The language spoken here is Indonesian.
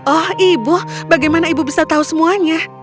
oh ibu bagaimana ibu bisa tahu semuanya